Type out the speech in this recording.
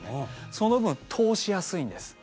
その分、通しやすいんです。